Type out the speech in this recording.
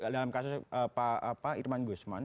dalam kasus pak irman guzman